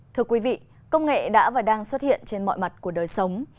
thưa quý vị công nghệ đã và đang xuất hiện trên mọi mặt của đời sống